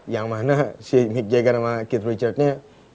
yang mana si mick jagan sama keith richardsnya